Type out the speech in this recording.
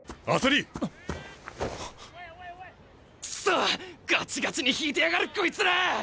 くそっガチガチに引いてやがるこいつら！